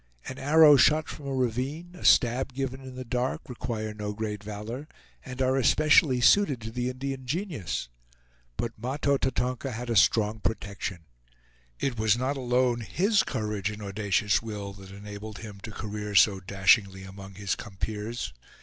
An arrow shot from a ravine, a stab given in the dark, require no great valor, and are especially suited to the Indian genius; but Mahto Tatonka had a strong protection. It was not alone his courage and audacious will that enabled him to career so dashingly among his compeers.